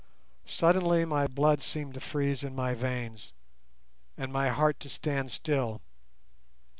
Suddenly my blood seemed to freeze in my veins, and my heart to stand still.